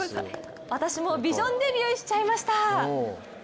私もビジョンデビューしちゃいました！